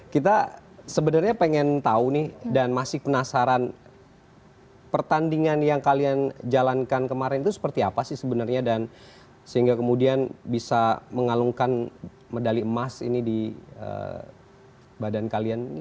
kita sebenarnya pengen tahu nih dan masih penasaran pertandingan yang kalian jalankan kemarin itu seperti apa sih sebenarnya dan sehingga kemudian bisa mengalungkan medali emas ini di badan kalian